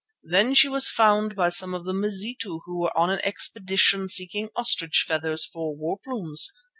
Then she was found by some of the Mazitu who were on an expedition seeking ostrich feathers for war plumes.